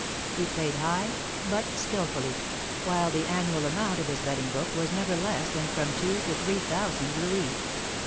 He played high, but skilfully; while the annual amount of his betting book was never less than from two to three thousand louis.